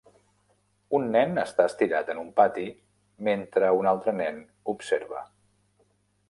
Un nen està estirat en un pati mentre un altre nen observa.